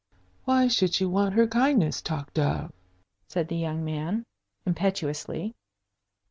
"Why should she want her kindnesses talked of?" said the young man, impetuously.